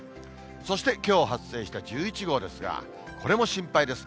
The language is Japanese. そしてきょう発生した１１号ですが、これも心配です。